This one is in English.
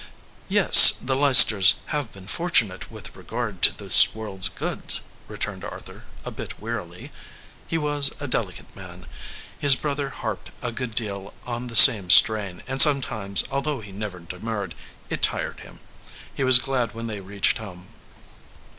"Yes, the Leicesters have been fortunate with regard to this world s goods," returned Arthur, a bit wearily. He was a delicate man; his brother harped a good deal on the same strain, and some 54 THE VOICE OF THE CLOCK times, although he never demurred, it tired him. He was glad when they reached home.